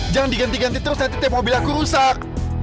jangan diganti ganti terus nanti tim mobil aku rusak